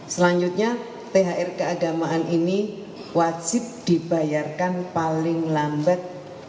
selanjutnya thr keagamaan ini wajib dibayarkan paling lambat